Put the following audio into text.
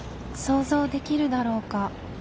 想像できるだろうか。